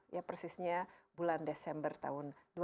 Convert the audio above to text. ya persisnya bulan desember tahun dua ribu sembilan belas